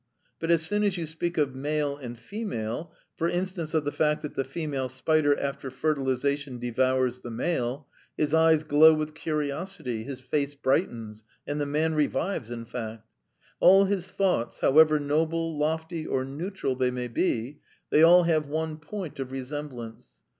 But as soon as you speak of male and female for instance, of the fact that the female spider, after fertilisation, devours the male his eyes glow with curiosity, his face brightens, and the man revives, in fact. All his thoughts, however noble, lofty, or neutral they may be, they all have one point of resemblance.